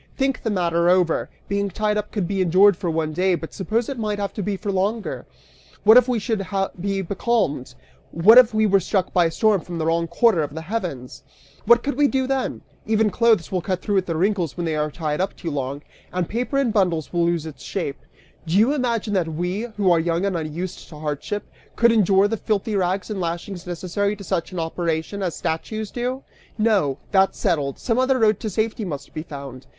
Think the matter over! Being tied up could be endured for one day, but suppose it might have to be for longer? What if we should be becalmed? What if we were struck by a storm from the wrong quarter of the heavens? What could we do then? Even clothes will cut through at the wrinkles when they are tied up too long, and paper in bundles will lose its shape. Do you imagine that we, who are young and unused to hardship, could endure the filthy rags and lashings necessary to such an operation, as statues do? No! That's settled! Some other road to safety must be found!